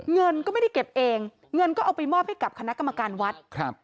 เงินก็ไม่ได้เก็บเองเงินก็เอาไปมอบให้กับคณะกรรมการวัดครับ